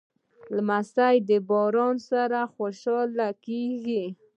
لمسی د باران سره خوشحالېږي.